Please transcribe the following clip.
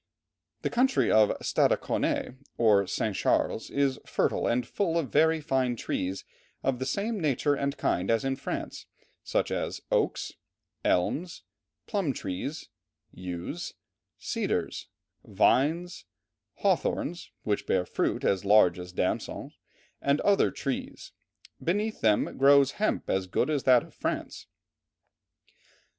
The country of Stadaconé, or St. Charles, is fertile and full of very fine trees of the same nature and kind as in France, such as oaks, elms, plum trees, yews, cedars, vines, hawthorns which bear fruit as large as damsons and other trees; beneath them grows hemp as good as that of France."